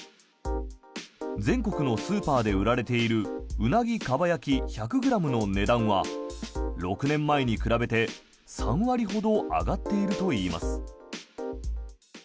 全国のスーパーで売られているウナギかば焼き１００ｇの値段は６年前に比べて３割ほど上がっているといいます。